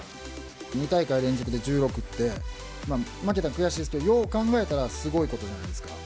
２大会連続で１６って、負けたのは悔しいですけど、よう考えたら、すごいことじゃないですか。